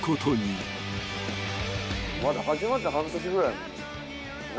まだ始まって半年ぐらいなのに。